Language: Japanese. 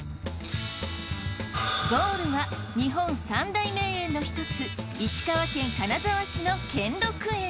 ゴールは日本三大名園の一つ石川県金沢市の兼六園。